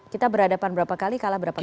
kita berhadapan berapa kali kalah berapa kali